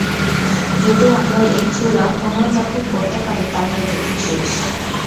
যদি আমরা এই চূড়া পুনর্দখল করতে পারি তাহলে যুদ্ধ শেষ!